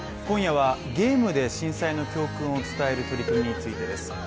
今夜はゲームで震災の教訓を伝える取り組みについてです。